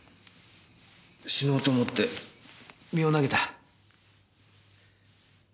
死のうと思って身を投げた。